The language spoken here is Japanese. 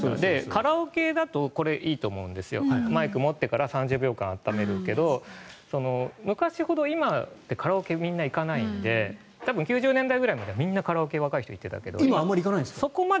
カラオケだとこれ、いいと思うんですけどマイク持ってから３０秒間ためるけど昔ほど今ってカラオケ、みんな行かないので９０年代ぐらいまではみんなカラオケ若い人行ってたけど。